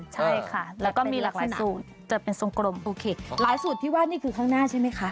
ใช่ค่ะแล้วก็มีหลากหลายสูตรจะเป็นทรงกลมโอเคหลายสูตรที่ว่านี่คือข้างหน้าใช่ไหมคะ